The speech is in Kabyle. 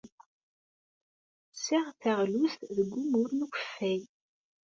Ttesseɣ taɣlust deg umur n ukeffay.